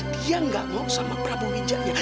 dia nggak mau sama prabu wijaya